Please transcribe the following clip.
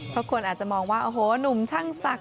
เพราะคนอาจจะมองว่าโอ้โหหนุ่มช่างศักดิ